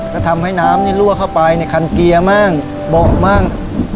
ก็ทำให้น้ำรั่วเข้าไปในคันเกียร์บ้างบอกบ้าง